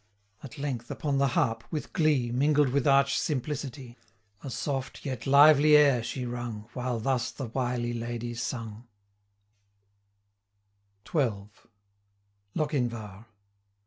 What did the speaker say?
At length, upon the harp, with glee, Mingled with arch simplicity, 310 A soft, yet lively, air she rung, While thus the wily lady sung: XII. LOCHINVAR.